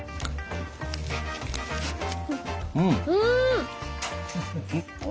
うん！